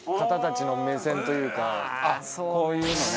あっこういうのね。